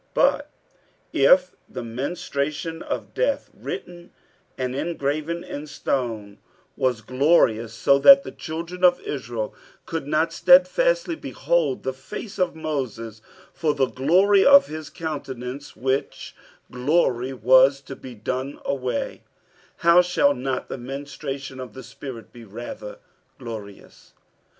47:003:007 But if the ministration of death, written and engraven in stones, was glorious, so that the children of Israel could not stedfastly behold the face of Moses for the glory of his countenance; which glory was to be done away: 47:003:008 How shall not the ministration of the spirit be rather glorious?